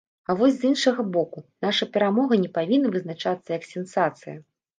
А вось з іншага боку, наша перамога не павінна вызначацца як сенсацыя.